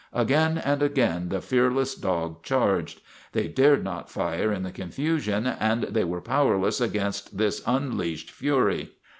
Again and again the fearless dog charged. They dared not fire in the confusion and they were powerless against this unleashed fury.